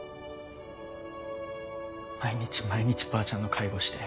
毎日毎日ばあちゃんの介護して。